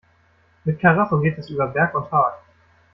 Mit Karacho geht es über Berg und Tal.